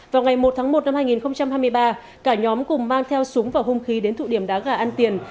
vào ngày một tháng một năm hai nghìn hai mươi ba cả nhóm cùng mang theo súng và hung khí đến thụ điểm đá gà ăn tiền